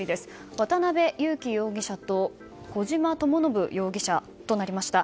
渡辺優樹容疑者と小島智信容疑者となりました。